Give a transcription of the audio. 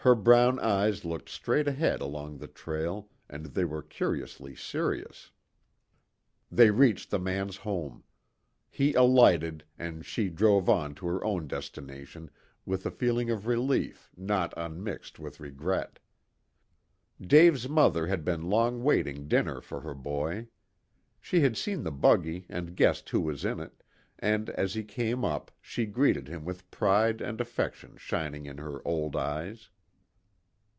Her brown eyes looked straight ahead along the trail, and they were curiously serious. They reached the man's home. He alighted, and she drove on to her own destination with a feeling of relief not unmixed with regret. Dave's mother had been long waiting dinner for her boy. She had seen the buggy and guessed who was in it, and as he came up she greeted him with pride and affection shining in her old eyes.